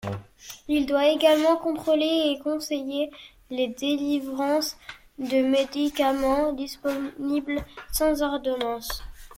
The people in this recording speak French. Il doit également contrôler et conseiller les délivrances de médicaments disponibles sans ordonnance.